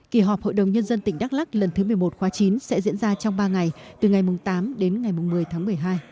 kỳ họp hội đồng nhân dân tỉnh đắk lắc lần thứ một mươi một khóa chín sẽ diễn ra trong ba ngày từ ngày tám đến ngày một mươi tháng một mươi hai